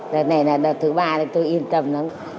đợt này là đợt thứ ba là tôi yên tâm lắm